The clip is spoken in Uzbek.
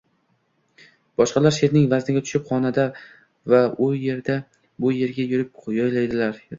boshqalar – sheʼrning vazniga tushib xonada u yerdan bu yerga yurib yodlaydilar.